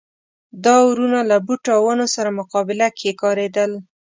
دا اورونه له بوټو او ونو سره مقابله کې کارېدل.